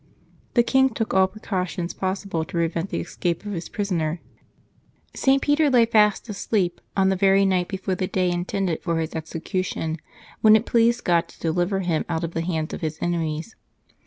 The king took all precautions possible to prevent the escape of his prisoner. St. Peter lay fast asleep, on the very night before the day intended for his execution, when it pleased God to deliver him out of the hands of his enemies.